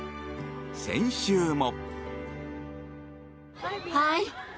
先週も。